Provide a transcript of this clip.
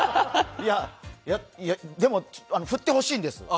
いや、でも振ってほしいんです。